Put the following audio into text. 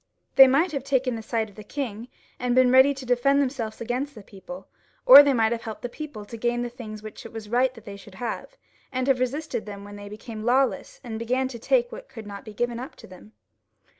They might have taken the side of the king, and been ready to defend him against the people, or they might have helped the people to gain the things which it was right that they should have, and have resisted them when they became lawless, and began to take what could not be given up to them.